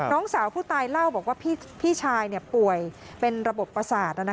น้องสาวผู้ตายเล่าบอกว่าพี่ชายป่วยเป็นระบบประสาท